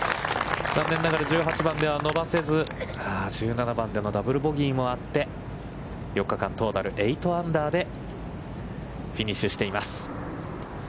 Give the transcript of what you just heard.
残念ながら１８番では伸ばせず、１７番でのダブル・ボギーもあって４日間、トータル８アンダーでフィニッシュしています。